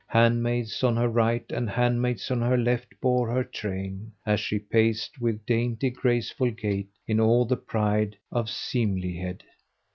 Handmaids on her right and handmaids on her left bore her train, as she paced with dainty graceful gait in all the pride of seemlihead.